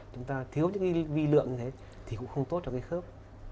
chúng ta thiếu những vi lượng như thế thì cũng không tốt cho khớp